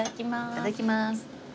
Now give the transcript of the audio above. いただきます。